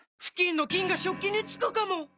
フキンの菌が食器につくかも⁉